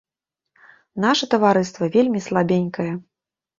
Наша таварыства вельмі слабенькае.